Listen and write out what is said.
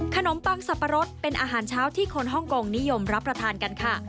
ปังสับปะรดเป็นอาหารเช้าที่คนฮ่องกงนิยมรับประทานกันค่ะ